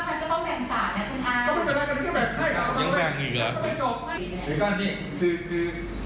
ไม่ต้องไปแจงแจงก็ทะเลาะกันโฟมยกไปเลยหรือห้าพัน